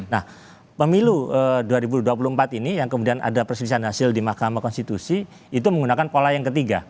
nah pemilu dua ribu dua puluh empat ini yang kemudian ada perselisihan hasil di mahkamah konstitusi itu menggunakan pola yang ketiga